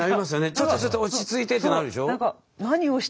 ちょっとちょっと落ち着いてってなるでしょ？